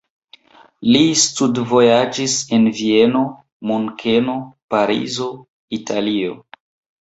Li studvojaĝis en Vieno, Munkeno, Parizo, Italio.